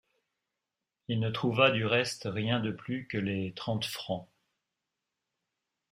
Il ne trouva du reste rien de plus que les trente francs.